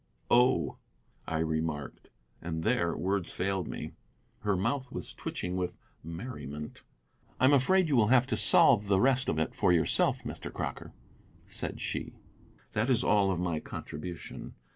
"Oh," I remarked, and there words failed me. Her mouth was twitching with merriment. "I am afraid you will have to solve the rest of it for yourself, Mr. Crocker," said she; "that is all of my contribution.